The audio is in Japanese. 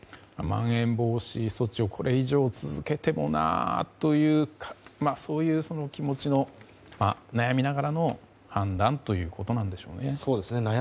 まん延防止措置をこれ以上続けてもなというそういう気持ちの悩みながらの判断ということなんでしょうね。